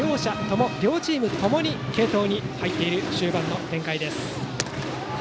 両チームともに継投に入っている終盤の展開です。